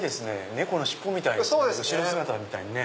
猫の尻尾みたい後ろ姿みたい。